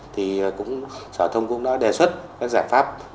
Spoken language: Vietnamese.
thì giao thông cũng đã đề xuất các giải pháp